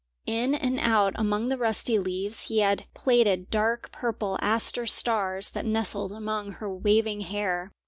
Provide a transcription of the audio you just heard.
In and out among the rusty leaves he had plaited dark purple aster stars that nestled among her waving hair.